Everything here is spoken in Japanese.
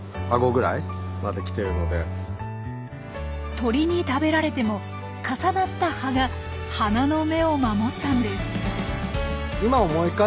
鳥に食べられても重なった葉が花の芽を守ったんです。